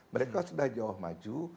mereka sudah jauh maju